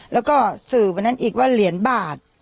แล้วก็สื่อวันนั้นอีกว่าเหรียญบาท